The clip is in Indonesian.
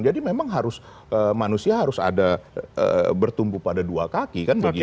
jadi memang harus manusia harus ada bertumbuh pada dua kaki kan begitu